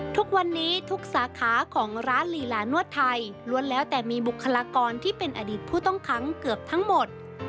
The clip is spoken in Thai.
ทุกวันนี้ทุกสาขาของร้านลีลานวดไทยล้วนแล้วแต่มีบุคลากรที่เป็นอดีตผู้ต้องขังเกือบทั้งหมด